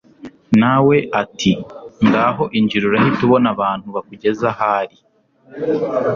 nawe ati naho ngaho injira urahita ubona abantu bakugeza aho ari